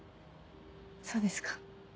そうですか。